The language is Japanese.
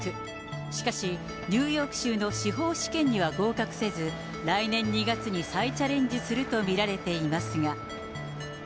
しかし、ニューヨーク州の司法試験には合格せず、来年２月に再チャレンジすると見られていますが。